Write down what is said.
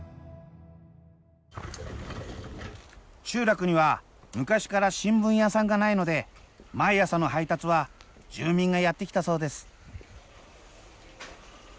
集落には昔から新聞屋さんがないので毎朝の配達は住民がやってきたそうです。